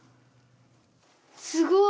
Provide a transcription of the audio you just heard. すごい！